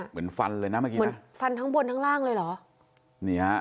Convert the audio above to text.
เหมือนฟันเลยนะเหมือนฟันทั้งบนทั้งล่างเลยหรอ